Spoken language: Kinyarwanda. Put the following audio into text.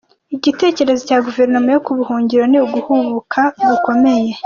Igitekerezo cya Guverinoma yo mu buhungiro ni uguhubuka gukomeye